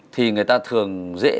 thì người ta thường dễ